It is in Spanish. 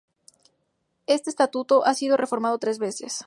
Este Estatuto ha sido reformado tres veces.